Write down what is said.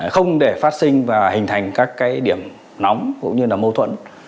không để phát sinh và hình thành các điểm nóng cũng như là mâu thuẫn